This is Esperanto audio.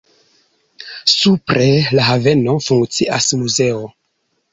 Supre la haveno funkcias muzeo.